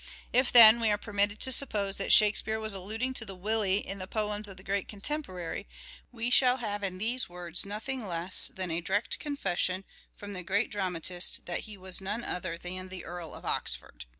If, then, we are permitted to suppose that Shakespeare was alluding to the " Willie " in the poems of the great contemporary, we shall have in these words nothing less than a direct confession from the great dramatist that he was none other than the Earl of Oxford.